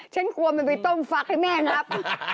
กลัวมันไปต้มฟักให้แม่นับ